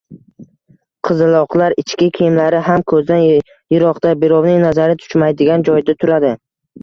Qizaloqlar ichki kiyimlari ham ko‘zdan yiroqda, birovning nazari tushmaydigan joyda turadi.